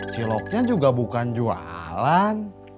ciloknya juga bukan jualan